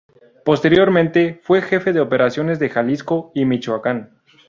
Posteriormente fue Jefe de Operaciones de Jalisco y Michoacán.